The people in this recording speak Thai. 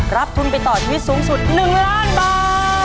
รับทุนไปต่อชีวิตสูงสุด๑ล้านบาท